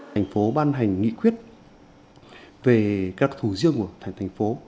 thành phố ban hành nghị quyết về các thủ riêng của thành phố